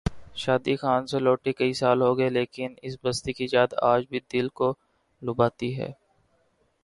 شادی خان سے لوٹے کئی سال ہو گئے لیکن اس بستی کی یاد آج بھی دل کو لبھاتی ہے۔